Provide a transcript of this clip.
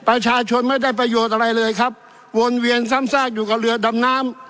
ประชาชนไม่ได้ประโยชน์อะไรเลยครับวนเวียนซ้ำซากอยู่กับเรือดำน้ำ